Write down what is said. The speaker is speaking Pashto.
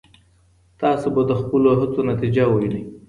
تاسي به د خپلو هڅو نتيجه ووينئ.